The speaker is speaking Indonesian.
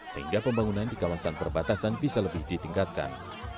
sehingga pembangunan di kawasan perbatasan bisa lebih ditingkatkan